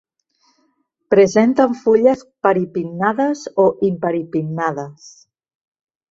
Presenten fulles paripinnades o imparipinnades.